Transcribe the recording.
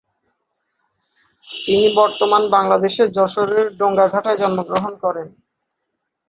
তিনি বর্তমান বাংলাদেশের যশোরের ডোঙ্গাঘাটায় জন্মগ্রহণ করেন।